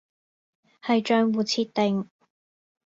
係賬戶設定